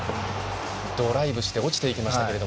ドライブして落ちていきましたが。